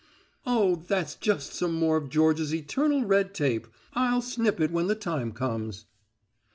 "Oh, that's just some more of George's eternal red tape. I'll snip it when the time comes."